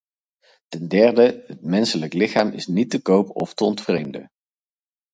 Ten derde: het menselijk lichaam is niet te koop of te ontvreemden.